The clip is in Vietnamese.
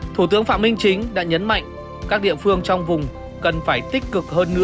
thủ tướng phạm minh chính đã nhấn mạnh các địa phương trong vùng cần phải tích cực hơn nữa